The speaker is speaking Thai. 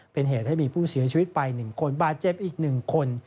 เป็นเหตุที่มีผู้เสียชีวิตไปหนึ่งคนบาดเจ็บอีกหนึ่งคน